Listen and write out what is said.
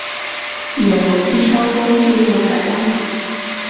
有栖川宫第六代当主。